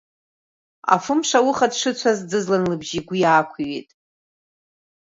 Афымш ауха дшыцәаз, Ӡызлан лыбжьы игәы иаақәҩит.